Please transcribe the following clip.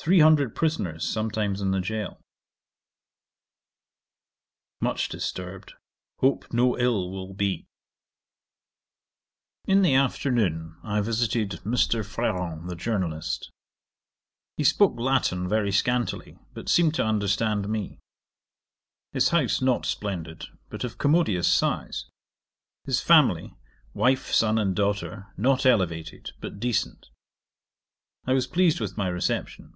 Three hundred prisoners sometimes in the gaol. 'Much disturbed; hope no ill will be. 'In the afternoon I visited Mr. Freron the journalist. He spoke Latin very scantily, but seemed to understand me. His house not splendid, but of commodious size. His family, wife, son, and daughter, not elevated but decent. I was pleased with my reception.